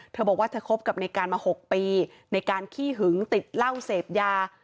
เธอบอกว่าเธอคบกับในการมา๖ปีในการขี้หึงติดเหล้าเสพยา